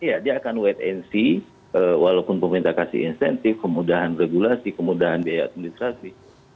iya dia akan wait and see walaupun pemerintah kasih insentif kemudahan regulasi kemudahan biaya administrasi